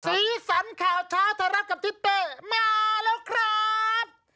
สีสันข่าวเช้าทรัพย์กับจิ๊บเต้มาแล้วครับ